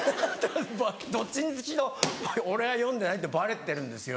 どっちにしろ俺は読んでないってバレてるんですよ